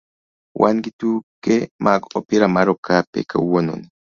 wan gi tuke mag opira mar okape kawuononi.